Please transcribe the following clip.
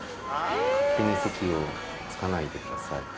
「勝手に席に着かないでください」。